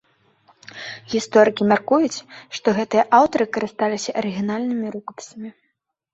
Гісторыкі мяркуюць, што гэтыя аўтары карысталіся арыгінальнымі рукапісамі.